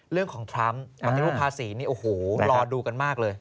เรื่องของทรัมป์ปฎิบุคภาษีนี่โอ้โหรอดูกันมากเลย